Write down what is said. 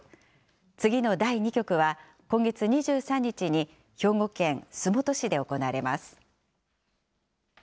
次の第２局は、今月２３日に兵庫県洲本市で行われます。